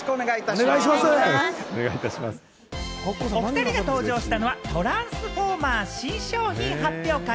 お２人が登場したのは、トランスフォーマー新商品発表会。